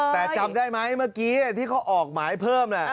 แต่จำได้ไหมเมื่อกี้ที่เขาออกหมายเพิ่ม